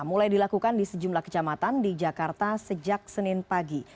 mulai dilakukan di sejumlah kecamatan di jakarta sejak senin pagi